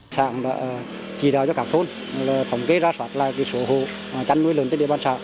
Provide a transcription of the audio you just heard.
xã đã trì đào cho các thôn thống kê ra soát lại số hồ chăn nuôi lợn trên địa bàn xã